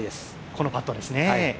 このパットですね。